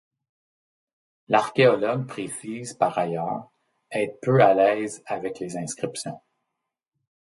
L'archéologue précise, par ailleurs, être peu à l'aise avec les inscriptions.